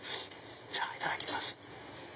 じゃあいただきます。